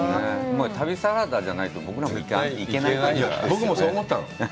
旅サラダじゃないと僕らも行けないですね。